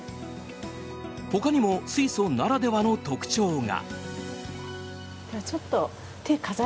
ほかにも水素ならではの特徴が。